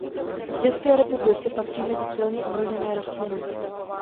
V České republice patří mezi silně ohrožené rostliny.